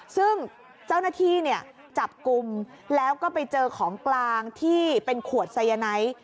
ซึ่งเจ้าหน้าที่จับกลุ่มแล้วก็ไปเจอของกลางที่เป็นขวดไซยาไนท์